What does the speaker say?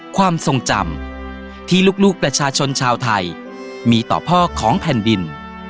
ความทรงจำที่ลูกประชาชนชาวไทยมีต่อพ่อของแผ่นดิน